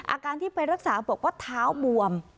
อาการที่ไปรักษาบอกว่าเท้าบวม